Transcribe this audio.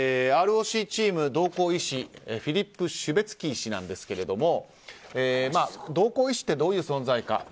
ＲＯＣチーム、同行医師フィリップ・シュベツキー氏なんですけれども同行医師って、どういう存在か。